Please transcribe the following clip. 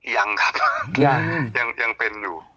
ยังครับยังเป็นอยู่